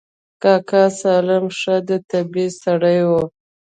کاکا سالم ښه د طبعې سړى و.